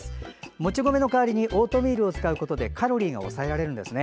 もち米の代わりにオートミールを使うことでカロリーが抑えられるんですね。